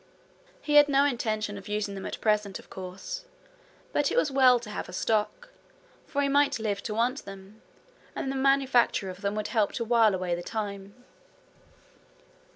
He had no intention of using them at present, of course; but it was well to have a stock, for he might live to want them, and the manufacture of them would help to while away the time.